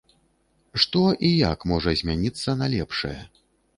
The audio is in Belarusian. Што і як можа змяніцца на лепшае?